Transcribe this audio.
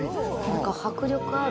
迫力ある。